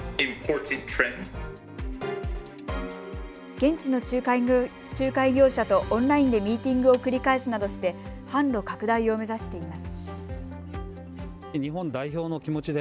現地の仲介業者とオンラインでミーティングを繰り返すなどして販路拡大を目指しています。